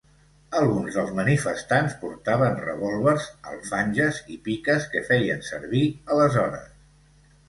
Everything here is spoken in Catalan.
Alguns dels manifestants portaven revòlvers, alfanges i piques que feien servir aleshores.